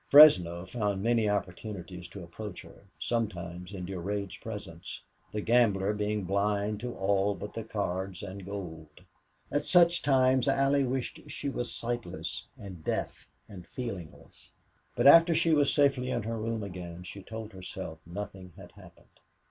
Fresno found many opportunities to approach her, sometimes in Durade's presence, the gambler being blind to all but the cards and gold. At such times Allie wished she was sightless and deaf and feelingless. But after she was safely in her room again she told herself nothing had happened.